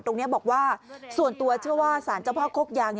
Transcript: ตรงนี้บอกว่าส่วนตัวเชื่อว่าสารเจ้าพ่อโคกยาง